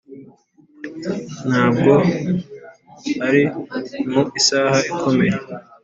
ntabwo ari mu isaha ikomeye,